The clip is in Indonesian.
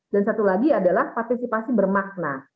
dan satu lagi adalah partisipasi bermakna